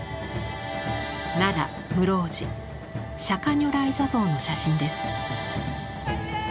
奈良・室生寺釈如来坐像の写真です。